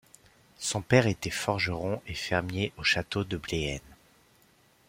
Son père était forgeron et fermier au château de Blehen.